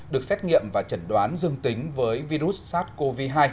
được xét nghiệm và chẩn đoán dương tính với virus sars cov hai